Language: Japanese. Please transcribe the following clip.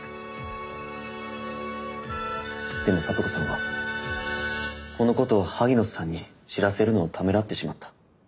でも咲都子さんはこのことを萩野さんに知らせるのをためらってしまった。